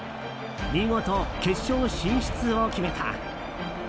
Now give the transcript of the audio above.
見事、決勝進出を決めた。